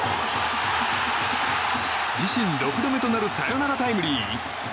自身６度目となるサヨナラタイムリー。